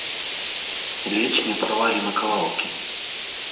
Ледзь не парвалі на кавалкі!